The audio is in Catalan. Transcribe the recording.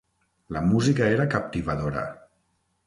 La música era captivadora.